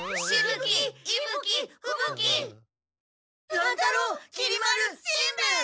乱太郎きり丸しんべヱ！